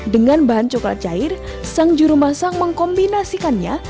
dengan bahan coklat cair sang jurumasak mengkombinasikannya